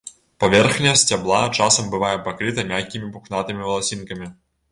Паверхня сцябла часам бывае пакрыта мяккімі пухнатымі валасінкамі.